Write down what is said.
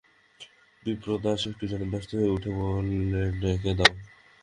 বিপ্রদাস একটু যেন ব্যস্ত হয়ে উঠে বললে, ডেকে দাও।